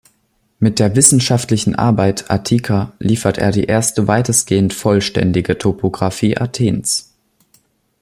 Mit der wissenschaftlichen Arbeit "Attika" lieferte er die erste weitestgehend vollständige Topografie Athens.